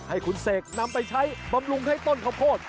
ให้คุณเสกนำไปใช้บำรุงให้ต้นข้าวโพด